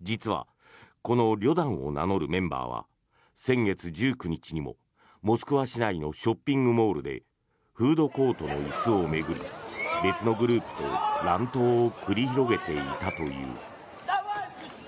実は、このリョダンを名乗るメンバーは先月１９日にも、モスクワ市内のショッピングモールでフードコートの椅子を巡り別のグループと乱闘を繰り広げていたという。